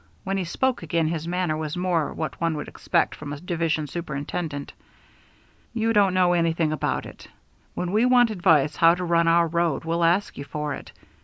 When he spoke again, his manner was more what one would expect from a division superintendent. "You don't know anything about it. When we want advice how to run our road we'll ask you for it.